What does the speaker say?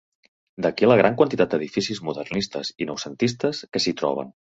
D'aquí la gran quantitat d'edificis modernistes i noucentistes que s’hi troben.